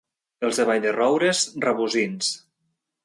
Els de Vall-de-roures, rabosins.